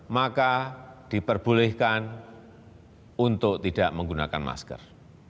maka diperbolehkan untuk tidak menggunakan masker